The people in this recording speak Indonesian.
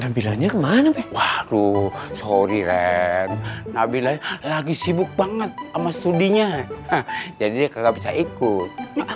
nampilannya kemana waduh sorry ren nabila lagi sibuk banget ama studinya jadi nggak bisa ikut